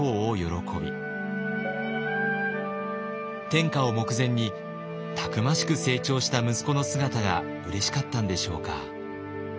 天下を目前にたくましく成長した息子の姿がうれしかったんでしょうか。